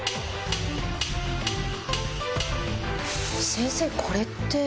先生これって？